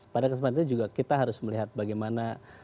pada kesempatan itu juga kita harus melihat bagaimana